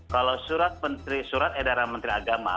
kalau surat edaran menteri agama